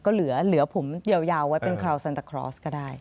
ก็เหลือผมยาวไว้เป็นคราวซันตาคลอสก็ได้